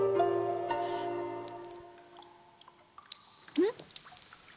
うん？